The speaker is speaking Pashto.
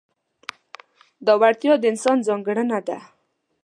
دا وړتیا د انسان ځانګړنه ده.